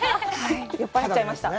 酔っ払っちゃいました。